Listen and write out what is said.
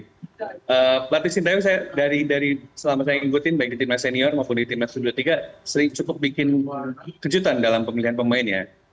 berarti si taeyong dari selama saya ngikutin baik di timnas senior maupun di timnas ke dua puluh tiga sering cukup bikin kejutan dalam pemilihan pemainnya